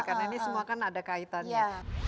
karena ini semua kan ada kaitannya